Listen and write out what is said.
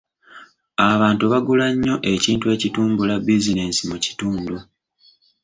Abantu bagula nnyo ekintu ekitumbula bizinensi mu kitundu.